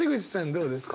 どうですか？